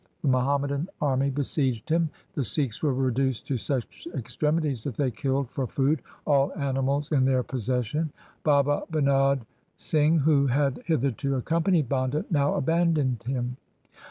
The Muhammadan army besieged him. The Sikhs were reduced to such extremities that they killed for food all animals in their possession. Baba Binod Singh, who had hitherto accompanied Banda, now abandoned him.